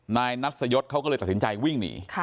นายนัสยศเขาก็เลยตัดสินใจวิ่งหนี